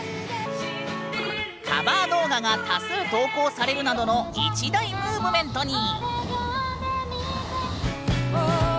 カバー動画が多数投稿されるなどの一大ムーブメントに！